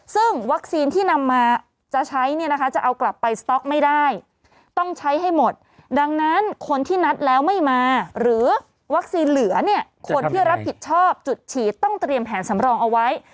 ซึ่งวัคซีนที่นำมาจะใช้เนี่ยนะคะจะเอากลับไปสต๊อกไม่ได้ต้องใช้ให้หมดดังนั้นคนที่นัดแล้วไม่มาหรือวัคซีนเหลือเนี่ยคนที่รับผิดชอบจุดฉีดต้องเตรียมแผนสำรองเอาไว้